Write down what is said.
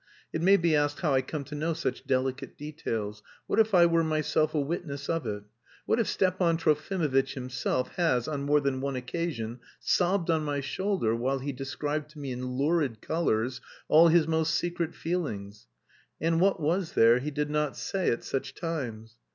It may be asked how I come to know such delicate details. What if I were myself a witness of it? What if Stepan Trofimovitch himself has, on more than one occasion, sobbed on my shoulder while he described to me in lurid colours all his most secret feelings. (And what was there he did not say at such times!)